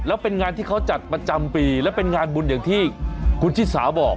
แล้วเป็นงานที่เขาจัดประจำปีและเป็นงานบุญอย่างที่คุณชิสาบอก